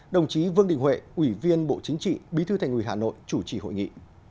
đồng chí vương đình huệ ủy viên bộ chính trị bí thư thành ủy hà nội chủ trì hội nghị